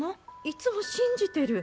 いつも信じてる。